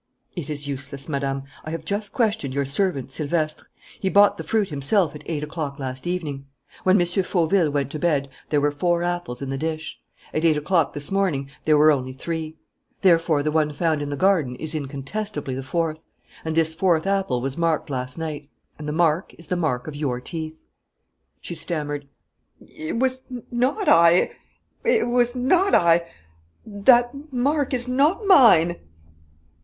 "It is useless, Madame; I have just questioned your servant, Silvestre. He bought the fruit himself at eight o'clock last evening. When M. Fauville went to bed, there were four apples in the dish. At eight o'clock this morning there were only three. Therefore the one found in the garden is incontestably the fourth; and this fourth apple was marked last night. And the mark is the mark of your teeth." She stammered: "It was not I ... it was not I ... that mark is not mine."